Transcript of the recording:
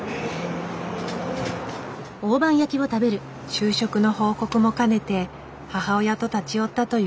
就職の報告も兼ねて母親と立ち寄ったという男性。